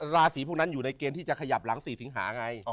ราศีพวกนั้นอยู่ในเกณฑ์ที่จะขยับหลัง๔สิงหาไง